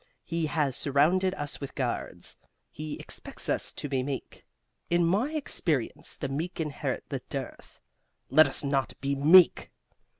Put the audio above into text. He has surrounded us with guards. He expects us to be meek. In my experience, the meek inherit the dearth. Let us not be meek!"